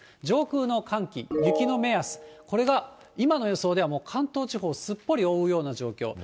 上空の寒気、雪の目安、これが、今の予想では、もう関東地方、すっぽり覆うような状況。